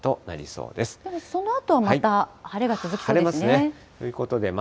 そのあとはまた晴れが続きそうですね。